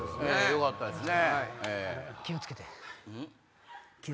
よかったですね。